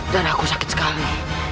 dan aku sakit sekali